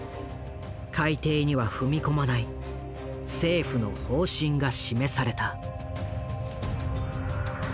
改定には踏み込まない政府の方針が示された。